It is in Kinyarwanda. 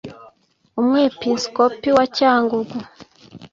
Umwepiskopi wa Cyangugu